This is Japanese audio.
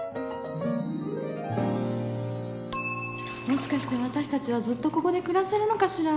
もしかして私たちはずっとここで暮らせるのかしら？